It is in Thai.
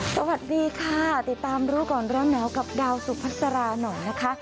สวัสดีค่ะติดตามรู้ก่อนแล้วเนอะกับดาวสุภาษณาหน่อยนะคะ